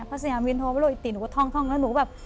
พระสยามวิทย์โทรมาโลกอิติหนูก็ท่องท่องแล้วหนูแบบ